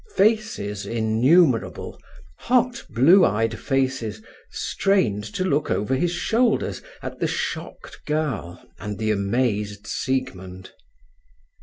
Faces innumerable—hot, blue eyed faces—strained to look over his shoulders at the shocked girl and the amazed Siegmund.